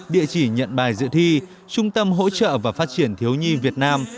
địa chỉ nhận bài dự thi trung tâm hỗ trợ và phát triển thiếu nhi việt nam